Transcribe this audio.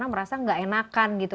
gak enakan gitu